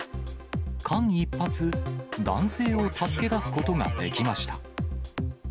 間一髪、男性を助け出すことができました。